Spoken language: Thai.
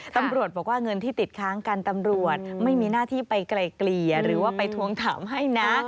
ตำรวจบอกว่าเงินที่ติดค้างกันตำรวจไม่มีหน้าที่ไปไกลเกลี่ยหรือว่าไปทวงถามให้นะ